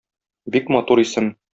Бик матур исем.